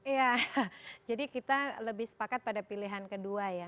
ya jadi kita lebih sepakat pada pilihan kedua ya